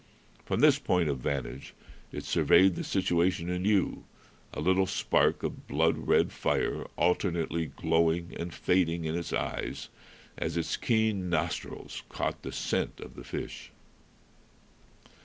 From this point of vantage it surveyed the situation anew, a little spark of blood red fire alternately glowing and fading in its eyes as its keen nostrils caught the scent of the fish.